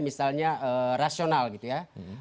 misalnya rasional gitu ya